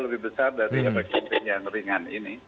lebih besar dari efek samping yang ringan ini